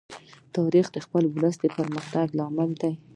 تاریخ د خپل ولس د پرمختګ لامل دی.